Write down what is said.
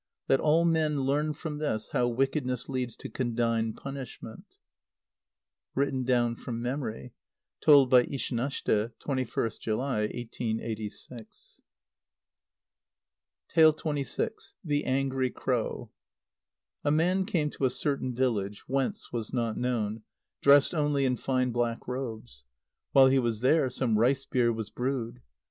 Let all men learn from this how wickedness leads to condign punishment!" (Written down from memory. Told by Ishanashte, 21st July, 1886.) xxvi. The Angry Crow. A man came to a certain village whence was not known, dressed only in fine black robes. While he was there, some rice beer was brewed.